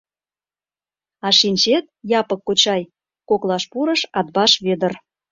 — А шинчет, Япык кочай, — коклаш пурыш Атбаш Вӧдыр.